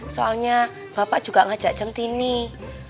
soalnya bapak juga ngajak cunti nih